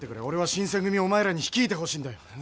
俺は新選組をお前らに率いてほしいんだよ。